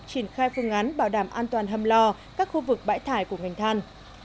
triển khai phương án bảo đảm an toàn hâm lo các khu vực bãi thải của ngành than